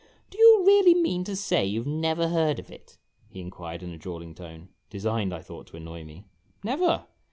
" Do you really mean to say you never heard of it? " he inquired in a drawling tone, designed, I thought, to annoy me. " Never